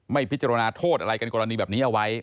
พิจารณาโทษอะไรกันกรณีแบบนี้เอาไว้